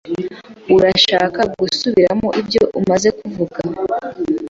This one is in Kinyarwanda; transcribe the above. Urashaka gusubiramo ibyo umaze kuvuga?